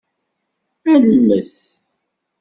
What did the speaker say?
Ad nemmet.